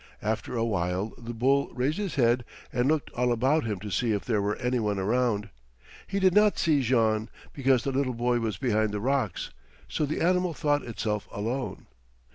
After a while the bull raised his head and looked all about him to see if there were any one around. He did not see Jean, because the little boy was behind the rocks, so the animal thought itself alone.